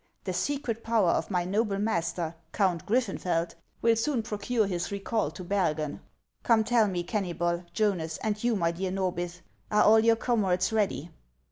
The secret power of my noble master, Count Griffenfeld, will soon procure his recall to Bergen. Come, tell me, Kennybol, Jonas, and you, my dear Norbith, are all your comrades ready